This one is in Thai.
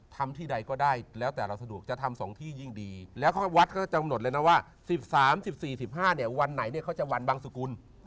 ทำที่ใดก็ได้แล้วแต่เราสะดวกจะทำสองที่ยิ่งดีแล้วก็วัดก็จำหนดเลยนะว่าสิบสามสิบสี่สิบห้าเนี่ยวันไหนเนี่ยเขาจะวันบางสกุล